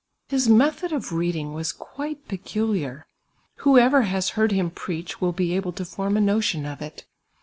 His method of readinj* was quite peculiar; whoever has heard hini jneaeh will be able to form a notion of it.